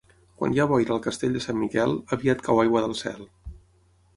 Quan hi ha boira al castell de Sant Miquel, aviat cau aigua del cel.